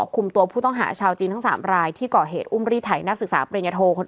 คุมตัวผู้ต้องหาชาวจีนทั้ง๓รายที่ก่อเหตุอุ้มรีดไถนักศึกษาปริญญโท